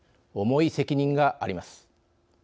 重い責任があります。